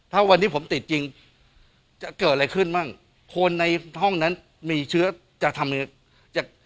ถ้าวันนี้ผมติดจริงจะเกิดอะไรขึ้นบ้างคนในห้องนั้นมีเชื้อจะทำยังไง